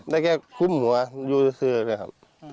ได้แค่คุ้มหัวอยู่ซื้อเลยครับ